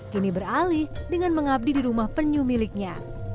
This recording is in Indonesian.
kini beralih dengan mengabdi di rumah penyu miliknya